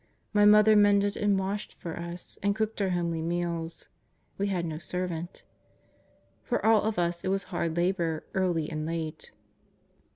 My Mother mended and washed for us and cooked our homely meals ; we had no sen^ant. For all of us it was hard labour, early and late.